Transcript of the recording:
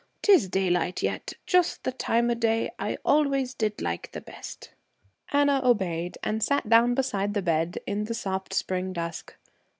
'Tis daylight yet; just the time o' day I always did like the best.' Anna obeyed and sat down beside the bed in the soft spring dusk.